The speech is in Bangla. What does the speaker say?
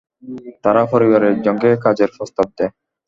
তারা পরিবারের একজনকে কাজের প্রস্তাব দেয়।